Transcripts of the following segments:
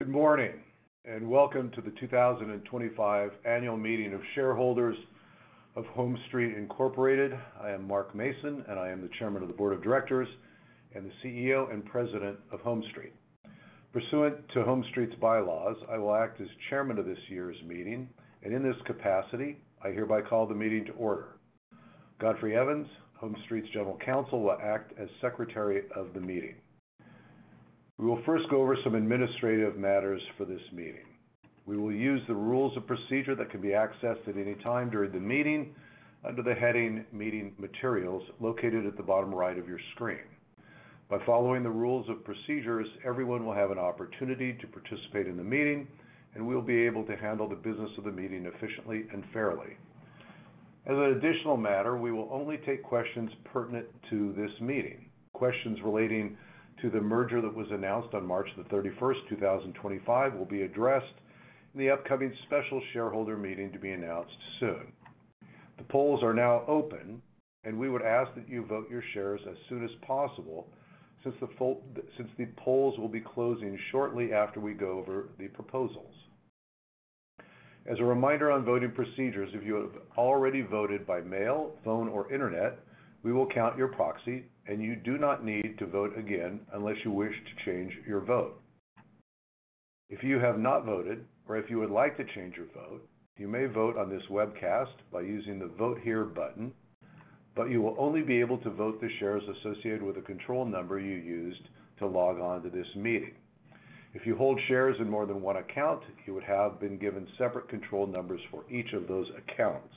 Good morning and welcome to the 2025 Annual Meeting of Shareholders of HomeStreet, Inc. I am Mark Mason, and I am the Chairman of the Board of Directors and the CEO and President of HomeStreet. Pursuant to HomeStreet's bylaws, I will act as Chairman of this year's meeting, and in this capacity, I hereby call the meeting to order. Godfrey Evans, HomeStreet's General Counsel, will act as Secretary of the Meeting. We will first go over some administrative matters for this meeting. We will use the rules of procedure that can be accessed at any time during the meeting under the heading "Meeting Materials" located at the bottom right of your screen. By following the rules of procedures, everyone will have an opportunity to participate in the meeting, and we'll be able to handle the business of the meeting efficiently and fairly. As an additional matter, we will only take questions pertinent to this meeting. Questions relating to the merger that was announced on March 31st 2025, will be addressed in the upcoming special shareholder meeting to be announced soon. The polls are now open, and we would ask that you vote your shares as soon as possible since the polls will be closing shortly after we go over the proposals. As a reminder on voting procedures, if you have already voted by mail, phone, or internet, we will count your proxy, and you do not need to vote again unless you wish to change your vote. If you have not voted, or if you would like to change your vote, you may vote on this webcast by using the "Vote Here" button, but you will only be able to vote the shares associated with the control number you used to log on to this meeting. If you hold shares in more than one account, you would have been given separate control numbers for each of those accounts.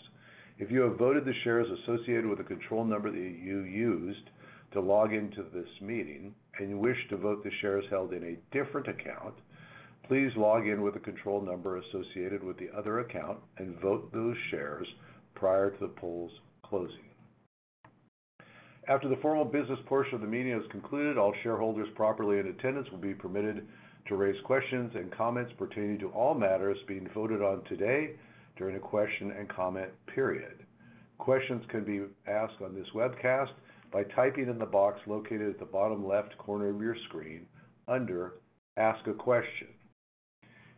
If you have voted the shares associated with the control number that you used to log into this meeting and you wish to vote the shares held in a different account, please log in with the control number associated with the other account and vote those shares prior to the polls closing. After the formal business portion of the meeting is concluded, all shareholders properly in attendance will be permitted to raise questions and comments pertaining to all matters being voted on today during the question and comment period. Questions can be asked on this webcast by typing in the box located at the bottom left corner of your screen under "Ask a Question."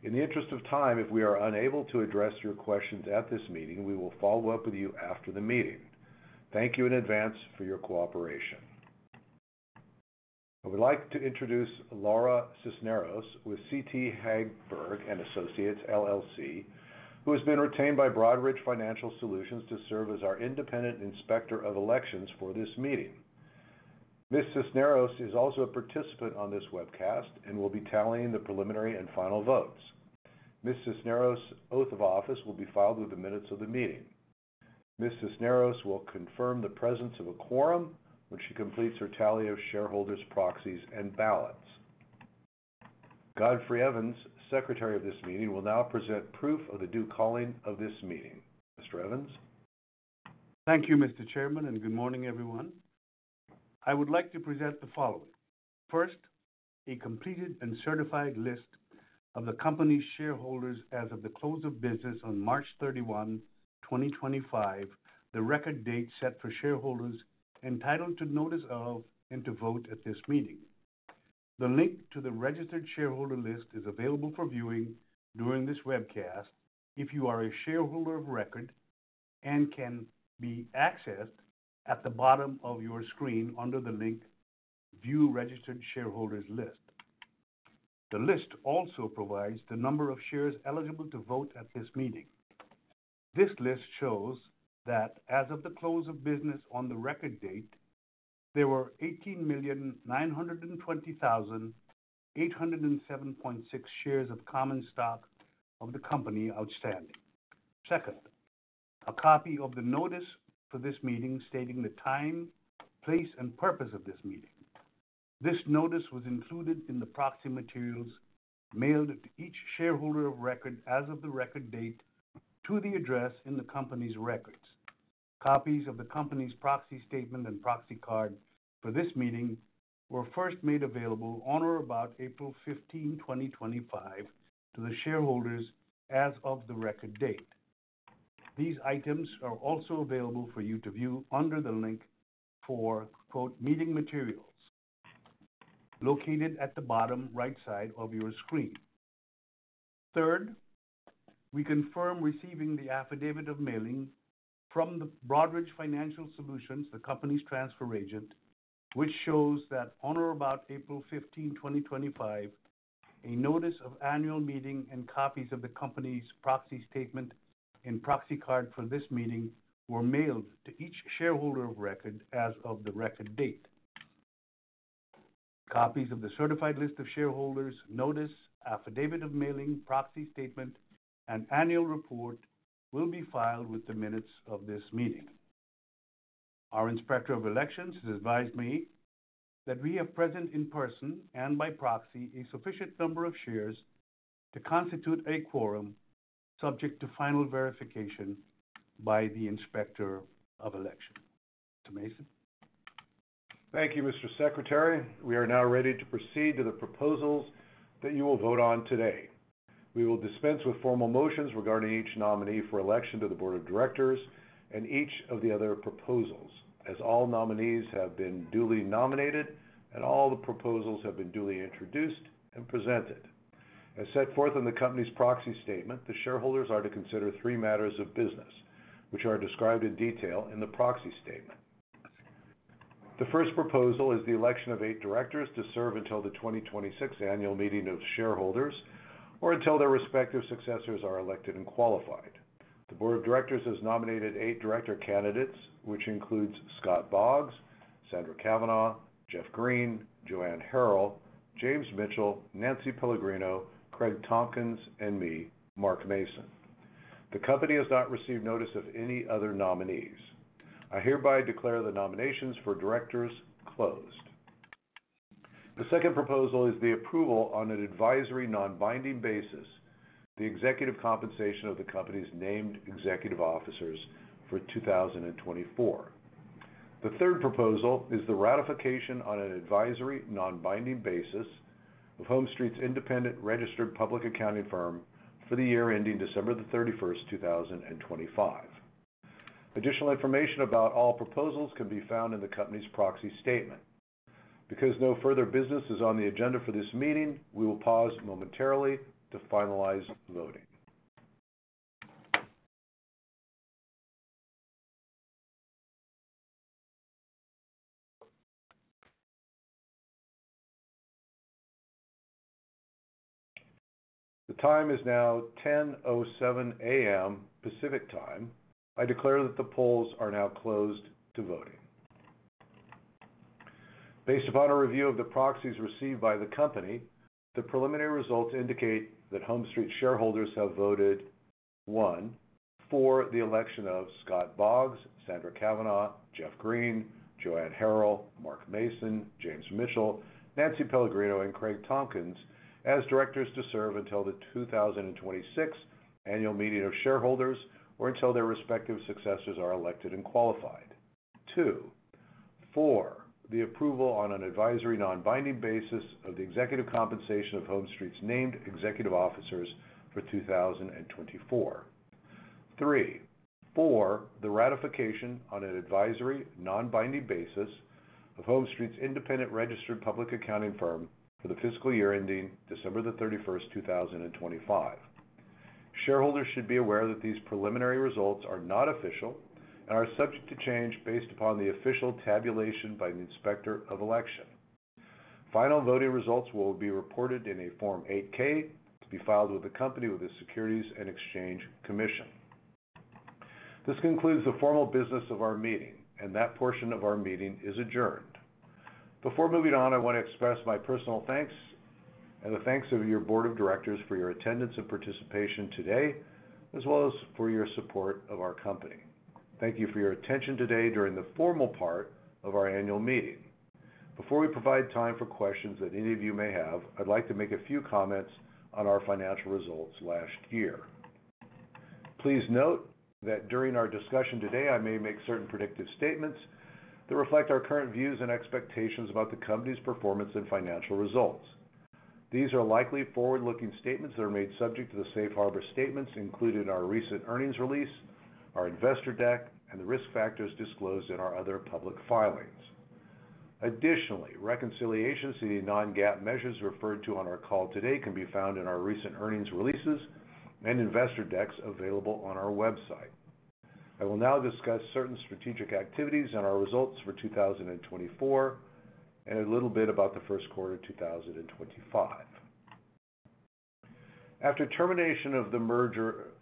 In the interest of time, if we are unable to address your questions at this meeting, we will follow up with you after the meeting. Thank you in advance for your cooperation. I would like to introduce Laura Cisneros with CT Hagberg & Associates LLC, who has been retained by Broadridge Financial Solutions to serve as our independent inspector of elections for this meeting. Ms. Cisneros is also a participant on this webcast and will be tallying the preliminary and final votes. Ms. Cisneros' oath of office will be filed with the minutes of the meeting. Ms. Cisneros will confirm the presence of a quorum when she completes her tally of shareholders, proxies, and ballots. Godfrey Evans, Secretary of this meeting, will now present proof of the due calling of this meeting. Mr. Evans. Thank you, Mr. Chairman, and good morning, everyone. I would like to present the following. First, a completed and certified list of the company's shareholders as of the close of business on March 31, 2025, the record date set for shareholders entitled to notice of and to vote at this meeting. The link to the registered shareholder list is available for viewing during this webcast if you are a shareholder of record and can be accessed at the bottom of your screen under the link "View Registered Shareholders List." The list also provides the number of shares eligible to vote at this meeting. This list shows that as of the close of business on the record date, there were 18,920,807.6 shares of common stock of the company outstanding. Second, a copy of the notice for this meeting stating the time, place, and purpose of this meeting. This notice was included in the proxy materials mailed to each shareholder of record as of the record date to the address in the company's records. Copies of the company's proxy statement and proxy card for this meeting were first made available on or about April 15, 2025, to the shareholders as of the record date. These items are also available for you to view under the link for "Meeting Materials" located at the bottom right side of your screen. Third, we confirm receiving the affidavit of mailing from Broadridge Financial Solutions, the company's transfer agent, which shows that on or about April 15, 2025, a notice of annual meeting and copies of the company's proxy statement and proxy card for this meeting were mailed to each shareholder of record as of the record date. Copies of the certified list of shareholders, notice, affidavit of mailing, proxy statement, and annual report will be filed with the minutes of this meeting. Our inspector of elections has advised me that we have present in person and by proxy a sufficient number of shares to constitute a quorum, subject to final verification by the inspector of election. Mr. Mason. Thank you, Mr. Secretary. We are now ready to proceed to the proposals that you will vote on today. We will dispense with formal motions regarding each nominee for election to the Board of Directors and each of the other proposals. As all nominees have been duly nominated and all the proposals have been duly introduced and presented, as set forth in the company's proxy statement, the shareholders are to consider three matters of business, which are described in detail in the proxy statement. The first proposal is the election of eight directors to serve until the 2026 Annual Meeting of Shareholders or until their respective successors are elected and qualified. The Board of Directors has nominated eight director candidates, which includes Scott Boggs, Sandra Cavanaugh, Jeff Green, Joanne Harrell, James Mitchell, Nancy Pellegrino, Craig Tomkins, and me, Mark Mason. The company has not received notice of any other nominees. I hereby declare the nominations for directors closed. The second proposal is the approval on an advisory non-binding basis of the executive compensation of the company's named executive officers for 2024. The third proposal is the ratification on an advisory non-binding basis of HomeStreet's independent registered public accounting firm for the year ending December 31st 2025. Additional information about all proposals can be found in the company's proxy statement. Because no further business is on the agenda for this meeting, we will pause momentarily to finalize voting. The time is now 10:07 A.M. Pacific Time. I declare that the polls are now closed to voting. Based upon a review of the proxies received by the company, the preliminary results indicate that HomeStreet shareholders have voted one, for the election of Scott Boggs, Sandra Cavanaugh, Jeff Green, Joanne Harrell, Mark Mason, James Mitchell, Nancy Pellegrino, and Craig Tomkins as directors to serve until the 2026 Annual Meeting of Shareholders or until their respective successors are elected and qualified. Two, for the approval on an advisory non-binding basis of the executive compensation of HomeStreet's named executive officers for 2024. Three, for the ratification on an advisory non-binding basis of HomeStreet's independent registered public accounting firm for the fiscal year ending December 31, 2025. Shareholders should be aware that these preliminary results are not official and are subject to change based upon the official tabulation by the inspector of election. Final voting results will be reported in a Form 8-K to be filed with the company with the Securities and Exchange Commission. This concludes the formal business of our meeting, and that portion of our meeting is adjourned. Before moving on, I want to express my personal thanks and the thanks of your board of directors for your attendance and participation today, as well as for your support of our company. Thank you for your attention today during the formal part of our annual meeting. Before we provide time for questions that any of you may have, I'd like to make a few comments on our financial results last year. Please note that during our discussion today, I may make certain predictive statements that reflect our current views and expectations about the company's performance and financial results. These are likely forward-looking statements that are made subject to the Safe Harbor Statements included in our recent earnings release, our investor deck, and the risk factors disclosed in our other public filings. Additionally, reconciliations to the non-GAAP measures referred to on our call today can be found in our recent earnings releases and investor decks available on our website. I will now discuss certain strategic activities and our results for 2024 and a little bit about the first quarter of 2025. After termination of the merger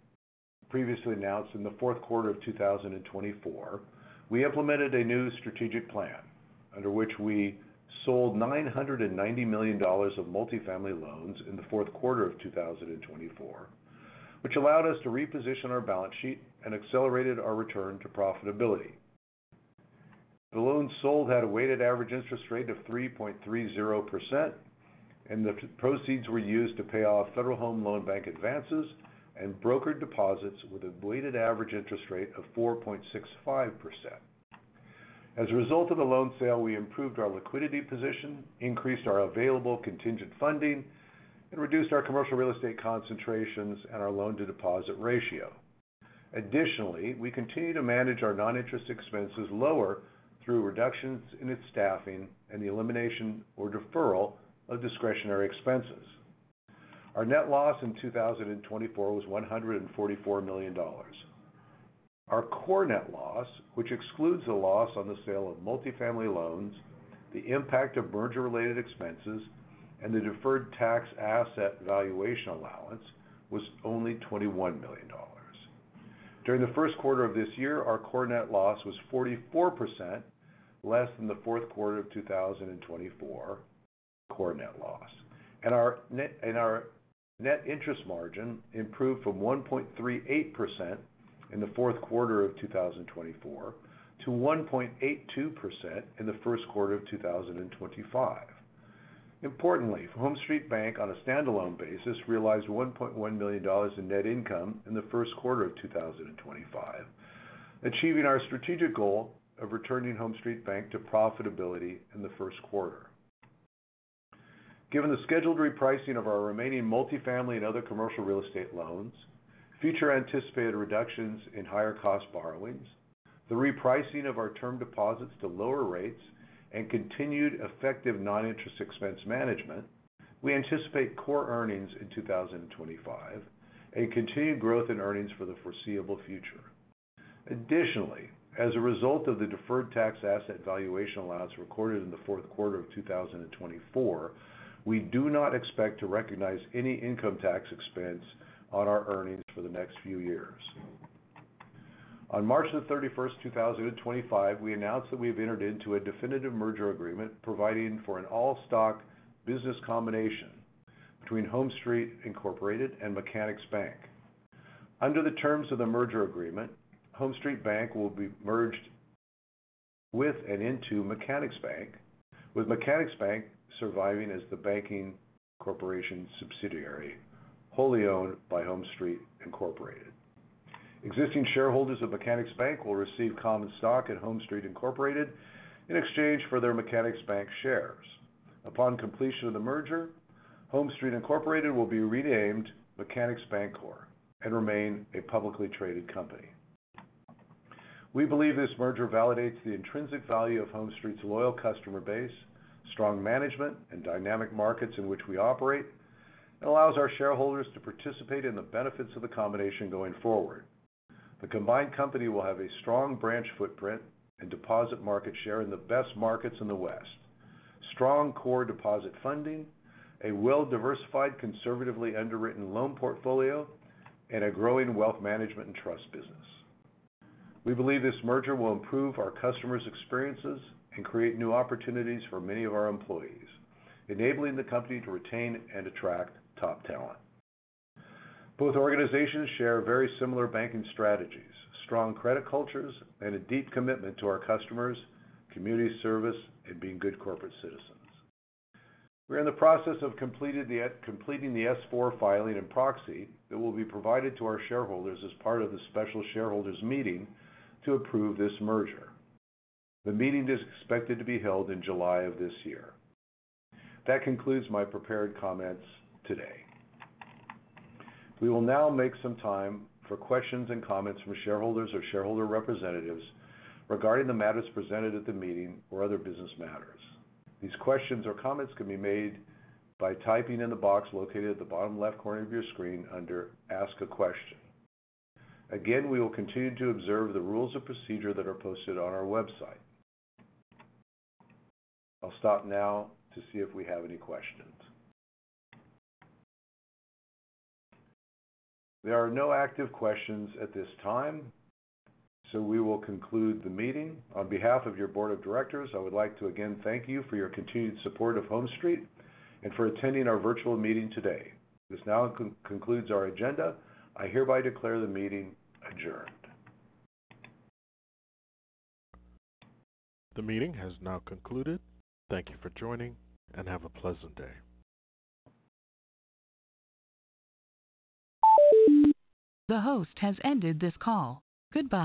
previously announced in the fourth quarter of 2024, we implemented a new strategic plan under which we sold $990 million of multifamily loans in the fourth quarter of 2024, which allowed us to reposition our balance sheet and accelerated our return to profitability. The loans sold had a weighted average interest rate of 3.30%, and the proceeds were used to pay off Federal Home Loan Bank advances and brokered deposits with a weighted average interest rate of 4.65%. As a result of the loan sale, we improved our liquidity position, increased our available contingent funding, and reduced our commercial real estate concentrations and our loan-to-deposit ratio. Additionally, we continue to manage our non-interest expenses lower through reductions in its staffing and the elimination or deferral of discretionary expenses. Our net loss in 2024 was $144 million. Our core net loss, which excludes the loss on the sale of multifamily loans, the impact of merger-related expenses, and the deferred tax asset valuation allowance, was only $21 million. During the first quarter of this year, our core net loss was 44% less than the fourth quarter of 2024 core net loss, and our net interest margin improved from 1.38% in the fourth quarter of 2024 to 1.82% in the first quarter of 2025. Importantly, HomeStreet Bank, on a standalone basis, realized $1.1 million in net income in the first quarter of 2025, achieving our strategic goal of returning HomeStreet Bank to profitability in the first quarter. Given the scheduled repricing of our remaining multifamily and other commercial real estate loans, future anticipated reductions in higher-cost borrowings, the repricing of our term deposits to lower rates, and continued effective non-interest expense management, we anticipate core earnings in 2025 and continued growth in earnings for the foreseeable future. Additionally, as a result of the deferred tax asset valuation allowance recorded in the fourth quarter of 2024, we do not expect to recognize any income tax expense on our earnings for the next few years. On March 31st 2025, we announced that we have entered into a definitive merger agreement providing for an all-stock business combination between HomeStreet, Inc and Mechanics Bank. Under the terms of the merger agreement, HomeStreet Bank will be merged with and into Mechanics Bank, with Mechanics Bank surviving as the banking corporation subsidiary wholly owned by HomeStreet, Inc. Existing shareholders of Mechanics Bank will receive common stock in HomeStreet, Inc in exchange for their Mechanics Bank shares. Upon completion of the merger, HomeStreet, Inc will be renamed Mechanics Bancorp and remain a publicly traded company. We believe this merger validates the intrinsic value of HomeStreet's loyal customer base, strong management, and dynamic markets in which we operate, and allows our shareholders to participate in the benefits of the combination going forward. The combined company will have a strong branch footprint and deposit market share in the best markets in the West, strong core deposit funding, a well-diversified, conservatively underwritten loan portfolio, and a growing wealth management and trust business. We believe this merger will improve our customers' experiences and create new opportunities for many of our employees, enabling the company to retain and attract top talent. Both organizations share very similar banking strategies, strong credit cultures, and a deep commitment to our customers, community service, and being good corporate citizens. We're in the process of completing the S-4 filing and proxy that will be provided to our shareholders as part of the special shareholders meeting to approve this merger. The meeting is expected to be held in July of this year. That concludes my prepared comments today. We will now make some time for questions and comments from shareholders or shareholder representatives regarding the matters presented at the meeting or other business matters. These questions or comments can be made by typing in the box located at the bottom left corner of your screen under "Ask a Question." Again, we will continue to observe the rules of procedure that are posted on our website. I'll stop now to see if we have any questions. There are no active questions at this time, so we will conclude the meeting. On behalf of your board of directors, I would like to again thank you for your continued support of HomeStreet and for attending our virtual meeting today. This now concludes our agenda. I hereby declare the meeting adjourned. The meeting has now concluded. Thank you for joining and have a pleasant day. The host has ended this call. Goodbye.